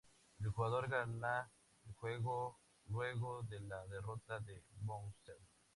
El jugador gana el juego luego de la derrota de Bowser.